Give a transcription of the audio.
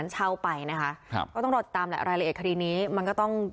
ก็เป็นพยานฟากเอง